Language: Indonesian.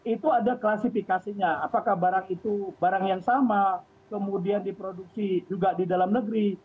itu ada klasifikasinya apakah barang itu barang yang sama kemudian diproduksi juga di dalam negeri